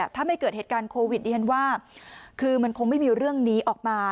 ถ้าไม่เกิดเหตุการณ์โควิดดิฉันว่าคือมันคงไม่มีเรื่องนี้ออกมา